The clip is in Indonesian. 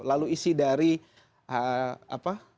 lalu isi dari apa